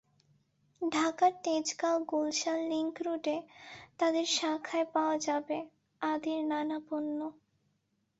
ঢাকার তেজগাঁও-গুলশান লিংক রোডে তাদের শাখায় পাওয়া যাবে আদির নানা পণ্য।